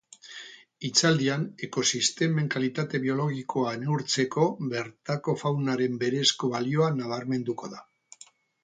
Hitzaldian ekosistemen kalitate biologikoa neurtzeko bertako faunaren berezko balioa nabarmenduko da.